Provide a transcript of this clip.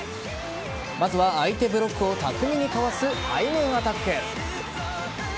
まずは相手ブロックを巧みにかわす背面アタック。